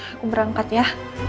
aku berangkat ya